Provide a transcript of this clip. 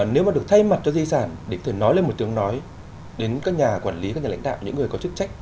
nếu mà được thay mặt cho di sản để cử nói lên một tiếng nói đến các nhà quản lý các nhà lãnh đạo những người có chức trách